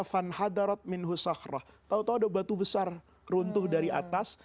tahu tahu ada batu besar runtuh dari atas